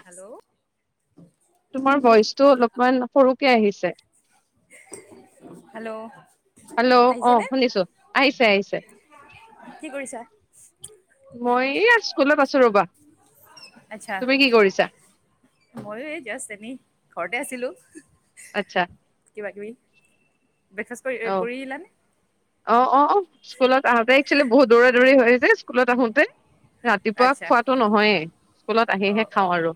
Hello, তোমাৰ ভইচটো অলপমান সৰুকে আহিছে হেল্ল', হেল্ল' অঁ আহিছেনে শুনিছো! আহিছে আহিছে, কি কৰিছা? মই ই স্কুলত আছো ৰবা আচ্ছা তুমি কি কৰিছা ময়ো এই জাটচ্ এনেই ঘৰতে আছিলো। আচ্ছা। কিবাকিবি। অঁ অঁ অঁ স্কুলত আহোতে একচোৱেলি বহুত দূৰে দূৰি হৈ। স্কুলত আহোতে। ৰাতিপুৱা আচ্ছা খোৱাতটো নহয়ে স্কুলত আহিহে অঁ খাওঁ অঁ আৰু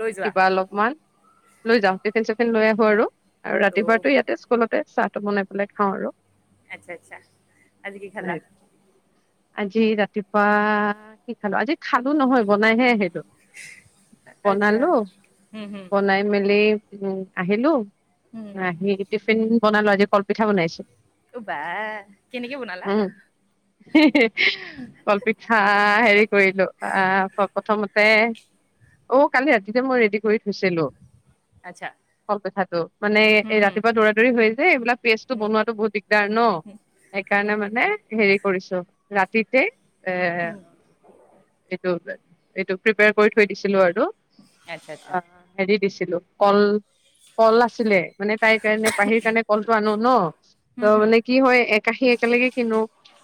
লৈ যোৱা কিবা অলপমান। লৈ যাওঁ, টিফিন চিফিন লৈ আহো আৰু আৰু ৰাতিপুৱাই অঁ তো ইয়াতে স্কুলত। তাকে চা টো বনাই পেলাই খাওঁ আৰু- আচ্ছা আচ্ছা, আজি কি খালা? নাই, আজি ৰাতিপুৱা কি খালো আজি খালো নহয় বনাইহে আহিলো। আচ্ছা বনালো হুম হুম বনাই মেলেলি উম আহিলো। হুম ৰাহি গেতিপ [unintelligible] বনা লোৱা যে কলপিঠা বনাইছো। অ বা কেনেকে বনালা? উম, কলপিঠা হেৰি কৰিলো। আ প্ৰথমতে, অ' কালি ৰাতিতে মই ৰেডি কৰি থৈছিলো। আচ্ছা কলপিঠাটো। মানে হুম এই হুম ৰাতিপুৱা দৌৰা-দৌৰি হয় যে, এইবিলাক পেষ্টটো হুম বনোৱাতো বহুত দিগদাৰ ন? সেইকাৰণে মানে হেৰি কৰিছো। ৰাতিতে এ, হুম সেইটো। এইটো প্ৰিপেয়াৰ কৰি থৈ দিছিলো আৰু। আচ্ছা আচ্ছা আ হেৰি দিছিলোঁ কল, কল আছিলে। মানে তাইৰ কাৰণে, পাহিৰ কাৰণে কল ন, ত হুম হুম মানে কি হয়? একআখি একেলগে কিনো।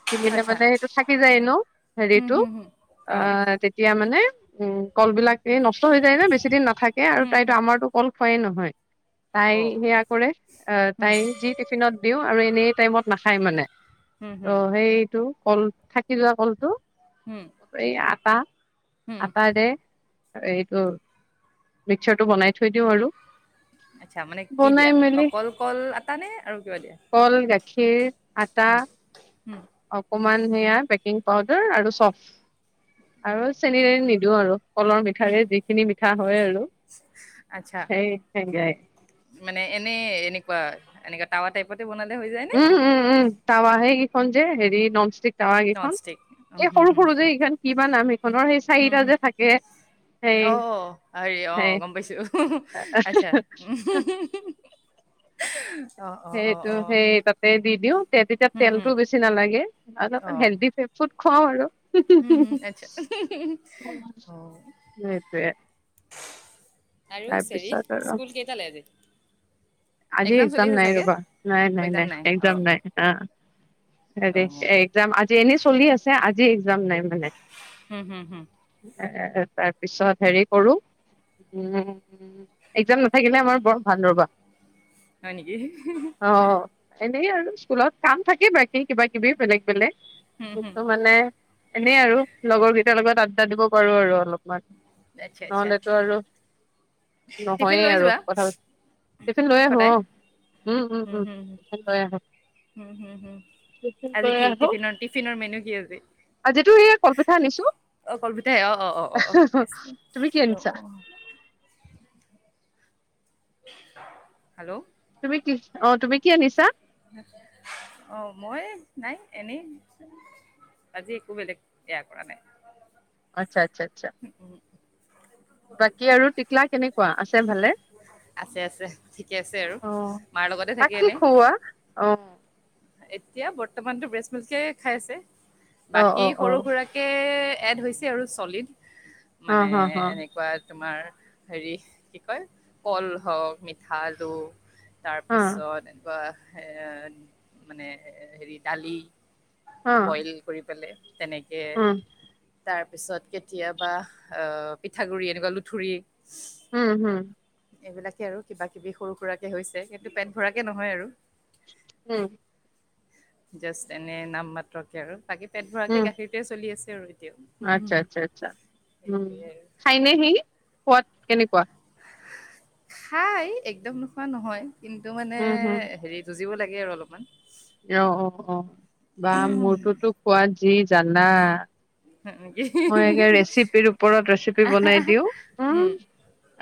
কিনিলে আচ্ছা মানে সেইটো থাকি যায় এনেও, হুম হেৰিটো। হুম হুম অঁ আহ তেতিয়া মানে উম কলবিলাক, এই নষ্ট হৈ যায় ন? বেছিদিন নাথাকে আৰু হুম তাইতো হুম আমাৰতো কল হয়ে নহয়? তাই অঁ সেয়া কৰে। আহ হুম তাই যি টিফিনত দিও আৰু এনেই। টাইমত নাখায় মানে হুম হুম অ' সেইটো কল থাকে। সিজোৱা কলটো, হুম এই আটা। হুম আটা দে এইটো মিক্সাৰটো বনাই থৈ দিওঁ আৰু। আচ্ছা, মানে কি বনাই দিয়া? মেলি অকল কল নে আৰু কিবা দিয়া কল, গাখীৰ, আটা হুম, হুম, অকণমান সেয়া বেকিং পাউদাৰ আৰু চফ। আৰু চেনি-তেনি নিদিওঁ আৰু। কলৰ হুম, মিঠাৰে হুম। যিখিনি মিঠা হয় আৰু। আচ্ছা সেয়াই এনেকোৱা তাৱা টাইপত উম উম উম। তাৱা হেগি খন যে, হেৰি ননষ্টিক তাক নন এইখন ষ্টিক এই সৰু সৰু যে এইখন কিবা নাম সেইখনৰ সেই হম চাৰিটা - হম যে থাকে সেই অ হৰি আহ সেই গম পাইছো আচ্ছা উম। সেইটো সেই তাতে দ দিও তেতিয়া হুম হুম তেলতটো বেছি নালাগে আৰু অ হেল ফুড খওঁ আৰু ম হম আছা সেইটোয়ে আৰু চেৰি তাৰপিছত আৰু স্কুল কেইটালৈ আজি আজি এক্জাম চলি এক্সাম আছে নাই চাগে ৰবা নাই- নাই- নাই এক্জাম নাই অ অ অ। হেৰি এক্জাম আজি এনে চলি আছে আজি যাম নাই মানে হুম হুম হুম তাৰপিছত হেৰি কৰোঁ একজাম নাথাকিলে আমাৰ বৰ ভাল ৰ'বা। হয় নেকি? অ আৰু স্কুলত কাম থাকে বাকী কিবা কিবি বেলেগ বেলেগ। হুম হুম সেইটো মানে এনেই আৰু লগৰ কেইটাৰ লগত আড্ডা দিব পাৰো আৰু অলপ। বাট আচ্ছা আচ্ছা নহ'লেতো আৰু টিফিন নহয়ে লৈ আৰু যোৱা কথা পতা টিফিন লৈ আহো সদায়। আহ উম উম উম লৈ আহো। উম হম -হম টিফিন আজি লৈ কি আহো টিফিনৰ টিফিনৰ মেনু কি আজি আজিতো সেয়া কলপিঠা আনিছো অ কলপিতাই অ অ অ অ অঠিকে আছে। তুমি কি আনিছা হেল্ল' তুমি অ তুমি কি আনিছা? অ মই নাই এনেই আজি একো বেলেগ বেয়া কৰা নাই। আচ্ছা -আচ্ছা -আচ্ছা বাকী আৰু টিকলা কেনেকুৱা আছে ভালে আছে আছে ঠিকে আছে আৰু আহ মাৰ লগতে থাকি তাক কি এনে। খুওৱা? অ এতিয়া বৰ্তমানতো বেচম্লিক এই খাই আছে। অ', বাকী অ', অ', সৰু অ', সুৰাৰাকে এড হৈছে আৰু ছলিড হ, মানে হ, হ, এনেকুৱা তোমাৰ হেৰি কি কয় কল হওক মিঠা আলু তাৰপিছত এনেকুৱা এঁ মানে হেৰি দালি হ, বইলিং কৰি পেলাই তেনেকে উম, তাৰ পিছত কেতিয়াবা অ' পিঠাগুৰি এনেকুৱা লুঠুৰি উম! হ'ম! এইবিলাকে আৰু কিবা কিবি সৰু সুৰাকে হৈছে, কিন্তু পেট ভৰাকে নহয় আৰু উম! জাষ্ট এনে নাম মাত্ৰকে আৰু, বাকী পেট ভৰাকে উম, গাখীৰটোৱে চলি আছে আৰু এতিয়া। আচ্ছা, আচ্ছা, আচ্ছা, সেয়ে আৰু খোৱাত কেনেকুৱা? খাই, একদম নোখোৱা নহয়। কিন্তু মানে উম, হুম, হেৰি, যুজিব লাগে আৰু অলপমান অ' অ' অ' বা মোৰটোতো খোৱাত কি জানা? নেকি মই একে, ৰেচিপিৰ ওপৰত ৰেচিপি বনাই দিওঁ। উঁ! উম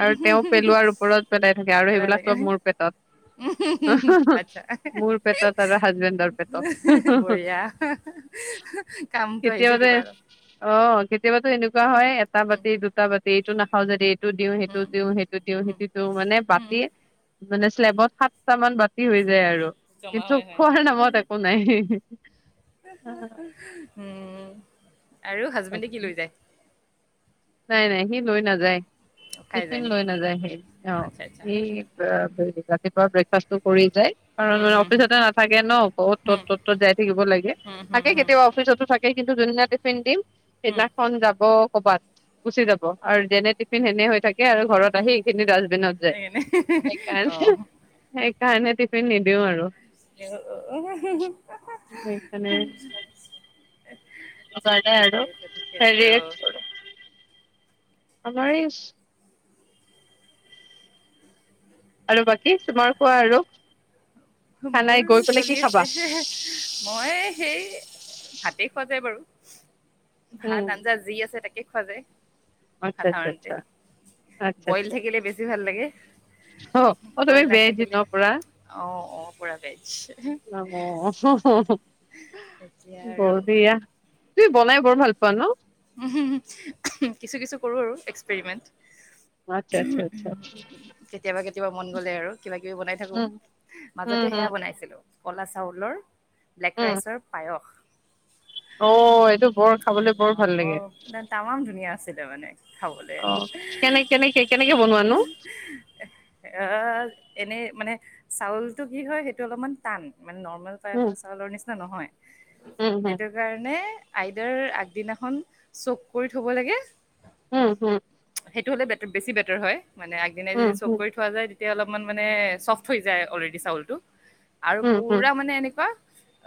আৰু তেওঁ পেলোৱাৰ ওপৰত পেলাই থাকে, আৰু পেলাই সেইবিলাক থাকে চব মোৰ পেটত, হূঁ! হূঁ! আচ্ছা মোৰ পেটত। আৰু হাজবেণ্ডৰ পেটত। বঢ়িয়া। কামতো আহিছে কেতিয়াবাতে কিবা এটা। অ' কেতিয়াবাতো এনেকুৱা হয়, এটা উম বাতি, দুটা বাতি এইটো নাখাওঁ যদি সেইটো দিওঁ, সেইটো উম দিওঁ, সেইটো দিওঁ, উম সেইটো দিওঁ, মানে উম বাতি মানে শ্লেবত সাতটা মান বাতি হৈ যায় আৰু। কমা কিন্তু হয় খোৱাৰ নামত একো নাই হ'ম! আৰু হাজবেণ্ডে কি তাকে। লৈ যায় নাই, নাই, সি লৈ নাযায়। খাই টিফিন যায় লৈ নেকি নাযায় সি, অ' আচ্ছা আচ্ছা এই ৰাতিপুৱা ব্ৰেকফাষ্টটো কৰি যায় কাৰণ উম মানে হুম অফিচতে নাথাকে ন, বহুত হুম ত'ত, ত'ত ত'ত যাই থাকিব লাগে, হুম হুম থাকে হুম কেতিয়াবা অফিচতো থাকে। কিন্তু ধুনীয়া টিফিন দিম হুম সেইদিনাখন যাব। কবাত গুচি যাব আৰু যেনে টিফিন হেনে হৈ থাকে আৰু ঘৰত আহি এইখিনি ডাষ্টবিনত যায় সেইকাৰণে অ সেইকাৰণে সেই কাৰণে টিফিন নিদিও আৰু উ সেইকাৰণে আছে হেৰি অ আমাৰিছ আৰু বাকী তুমাৰ কোৱা আৰু খানাই মোৰ গৈ পেলাই চলি কি খাবা আছে মই সেই ভাতে পোৱা যায় বাৰু উম ভাত আঞ্জা যি আছে তাকে খোৱা যায় আচ্ছা আচ্ছা সাধাৰণতে আচ্ছা আচ্ছা বইল আচ্ছা থাকিলে বেছি ভাল লাগে অ তুমি বেদ জিনৰ পৰা পোৰা গাইছে অ হ হ এতিয়া আৰু তুমি বনাই বৰ ভাল পোৱা ন উ কিছু কিছু কৰো আৰু এক্সপ্ৰিমেন্ট আচ্ছা আচ্ছা আচ্ছা কেতিয়াবা কেতিয়াবা মন গ'লে আৰু কিবা কিবি বনাই থাকো উম মাজতে সেয়া উম বনাইছিলো ক'লা চাউলৰ ব্লেক উম উম ৰাইচৰ পায়স অ এইটো বৰ খাবলে বৰ একদম ভাল বৰ লাগে তামাম ধুনীয়া আছিল যাবানে খাবলে অ কেনে কেনেকে কেনেকে বনোৱা নো অহ এনেই মানে চাউলটো কি হয় সেইটো অলপমান টান মানে নৰ্মেল পায়স উম চাউলৰ নিচিনা নহয় উম হম সেইটো কাৰণে আইদাৰ আগদিনাখন চক কৰি থব লাগে উম হম সেইটো হ'লে বেট বেছি বেটাৰ হয় মানে আগদিনাই যদি চক কৰি থোৱা যায় এতিয়া অলপমান মানে চফ্ট হৈ যায় অলৰেডি চাউলটো আৰু উম হম পুৰা মানে এনেকুৱা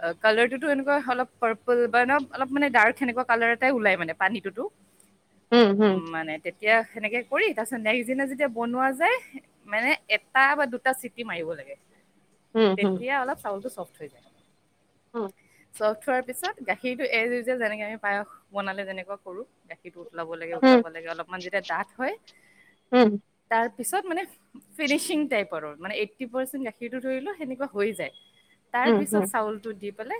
অ কালাৰটোতো এনেকুৱা অলপ পাৰপল বা অলপ মানে ডাৰ্ক সেনেকুৱা কালাৰ তাই ওলাই মানে পানীটোতো উম মানে তে এতিয়া সেনেকে কৰি তাৰ পিছত নেক্স দিনা যেতিয়া বনোৱা যায় মানে এটা বা দুটা চিটি মাৰিব লাগে। উম তেতিয়া অলপ চাউলটো চফ [unintelligible] অ চ থোৱাৰ পিছত গাখীৰটো এয যেনেকে আমি পায়স বনালে যেনেকুৱা কৰোঁ দে [unintelligible] উতলাব লাগে হম উতলাব লাগে অলপমান যেতিয়া ডাঠ হয় উম তাৰ পিছত মানে ফিনিচিং টাইপৰৰ মানে এইত্ৰি পাৰ্চেণ্ট গাখীৰটো ধৰি লোৱা সেনে কোৱা হৈ যায়। উম তাৰ উম পিছত হম চাউলটো দিম। বলে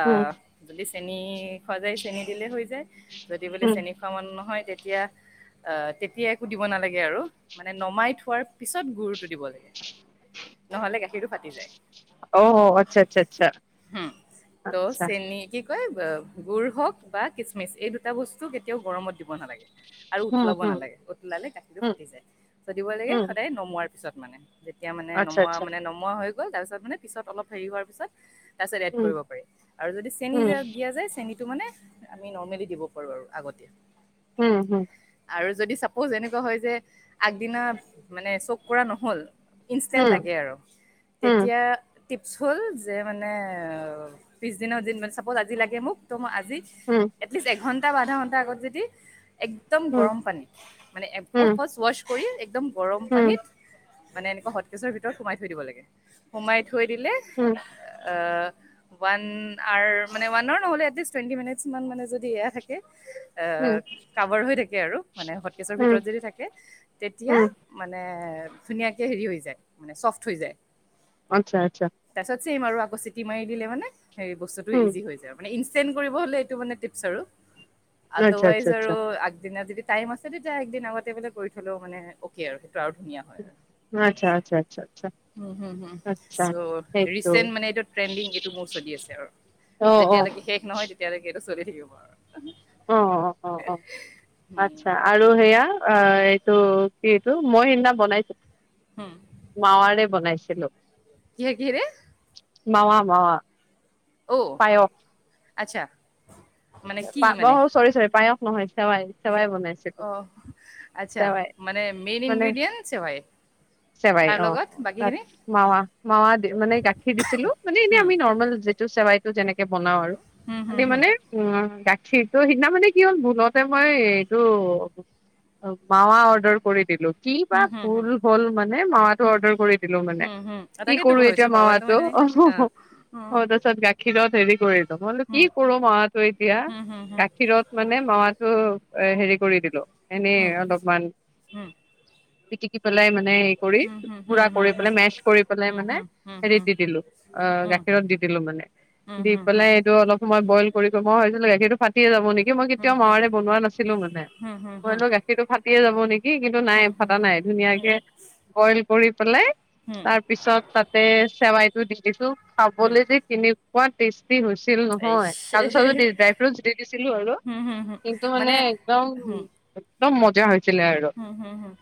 অ। উম তেনে চেনি দিলে হৈ যায় যদি বোলে উম চেনি খোৱা মান নহয় তেতিয়া -তেতিয়া একো দিব নালাগে আৰু মানে নমাই থোৱাৰ পিছত গুৰুটো দিব লাগে। নহলে গাখীৰটো ফাটি যায়। অ আচ্ছা -আচ্ছা- আচ্ছা হুম ত' -আচ্ছা চেনি কি গুড় হওক বা কিচমিচ এই দুটা বস্তু কেতিয়াও গৰমত দিব নালাগে। আৰু উম উতলাব হম নালাগে উতলালে গাঠিটো উম ফাটি যায় ছ দিব লাগে উম সদায় নমৰা পিছত মানে এতিয়া মানে আচ্ছা নমোৱা আচ্ছা মানে নমোৱা হৈ গ' ত পিছত মানে পিছত অলপ হেৰি হোৱাৰ পিছত তাৰপিছত এড উম কৰিব পাৰি আৰু যদি চেনী উম দিয়া যায় চেনী তটো মানে আমি নৰ্মেলি দিব পাৰো আৰু আগতে উম হম আৰু যদি চাপ'জ এনেকুৱা হয় যে আগদিনা মানে চব কৰা নহল ইনষ্টেন্ট উম লাগে আৰু উম তেতিয়া টিপছ হ'ল যে মানে পিছদিনৰ দ মানে চাপৰ্ট আজি লাগে মোক তো মই আজি উম এতলিষ্ট এঘন্টা আধা ঘণ্টা আগত যদি এক্দম উম গৰম পানী মানে হুম ফাৰ্ষ ৱ কৰি একদম। গৰম হুম পানীত। মানে এনেকুৱা হটকেচৰ ভিতৰত সোমাই থৈ দিব লাগে সোমাই। থৈ দিলে হুম আহ। নহলে কিছুমান মানে যদি এয়া থাকে হুম কভাৰ হৈ থাকে আৰু মানে হটকেছৰ হুম ভিতৰত যদি থাকে তেতিয়া হুম মানে ধুনীয়াকে হেৰি হৈ যায় মানে চফ্ট হৈ যায় আচ্ছা আচ্ছা চিম আৰু আকৌ চিটি মাৰি দিলে মানে সেই বস্তুতটো হুম ইজি হৈ যায় মানে চেণ্ড কৰিব হ'লে টো মানে টিপছ আৰু আচ্ছা আদৱাইজ আচ্ছা আচ্ছা আৰু আগদিন দি টাইম আছে তেতিয়া একদিন আগতে বোলে কৰি থ'লেও মানে অ'কে আৰু ন আচ্ছা আচ্ছা আচ্ছা আচ্ছা সেইটো অ অ চলি থাকিব। অঁ অঁ অঁ অঁ আচ্ছা আৰু সেয়া অঁ এইটো কি এইটো মই সেইদিনা বনাইছো হুম মাৱাৰে বনাইছে হ্ল' কি কিৰে মাৱা অ পায়স আচ্ছা মানে অ কি মানে চৰি চৰি পায় নহয় চেৱাই চেৱাই অ' আচ্ছা মানে মেইন ইনগ্ৰেডিয়েণ্ট চেৱাই চেৱাই তাৰ অ লগত তাত বাকীখিনি মাৱা মাৱা মানে গাখীৰ দিছিলো মানে এনে হুম আমি নৰ্মেল যিটো চেৱাই টো তেনেকে বনাও আৰু হম হম হম। গাখীৰতটো সিদিনা মানে কি হ'ল ভুলতে মই এইটো মাৱা অৰ্ডাৰ কৰি দিলো কি বা হুম হুম হুম ভুল হ'ল মানে মাৱটো হুম হুম অৰ্ডাৰ কৰি দিলো মানে হুম হুম কি তাকেতো কৰো এতিয়া ভাবিছোঁ মাৱাটো মানে অঁ অ' হুম অঁ তাৰছত গ ক্ষীৰত হেৰি কৰি তোমোক কি হুম কৰো মা [unintelligible] হুম হুম [unintelligible] হেৰি কৰি দিলোঁ। এনেই হুম অলপমান হুম পিটিকি পেলাই মানে, এই কৰি হুম হুম গুৰা হুম হুম হুম হুম কৰি হুম পেলাই মেছ্ কৰি পেলাই হুম মানে হুম হেৰিত হুম দি দিলোঁ অ' হুম গাখীৰত দি দিলোঁ মানে। হুম দি হুম পেলাই এইটো অলপ সময় বইল মই ভাবিছিলোঁ, গাখীৰটো ফাটিয়েই যাব নেকি! মই হুম কেতিয়াও হুম মাৱাৰে বনোৱা নাছিলো মানে, মই ভাবিছিলোঁ গাখীৰটো ফাট [unintelligible] কি কিন্তু নাই হু, হু, ফাটা নাই। ধুনীয়াকে হু, বইল কৰি পেলাই, হু, তাৰপিছত তাতে চেৱাই [unintelligible] হু। খাবলে যে কেনে [unintelligible] [unintelligible] হৈছিল ইস! নহয়! কাজু-চাজু দি ড্ৰাই ফ্ৰুইটছ্ দি দিছিলোঁ আৰু, হু, হু, হু। কিন্তু মানে একদম একদম মজা হৈ হুম, হুম, হুম।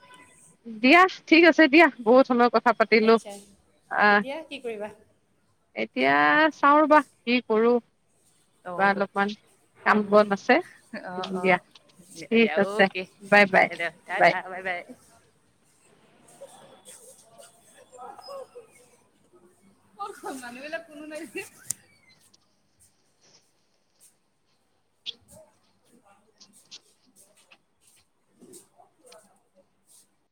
দিয়া, ঠিক আছে দিয়া, বহুত সময় কথা কথা পাতিলোঁ। আচ্ছা, অ', এতিয়া কি কৰিবা? এতিয়া চাওঁ ৰ'বা। কি কৰোঁ? অ', উম, উম, আছে অ', দিয়া অ', দিয়া, ঠিক দিয়া আছে অ'কে বাই বাই দিয়া, দিয়া, টাটা, বাই, বাই। ক'ত গ'ল, মানুহবিলাক কোনো নাই যে? [inaudible]